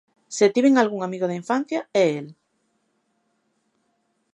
Se tiven algún amigo da infancia é el.